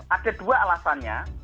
ada dua alasannya